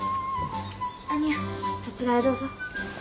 兄やんそちらへどうぞ。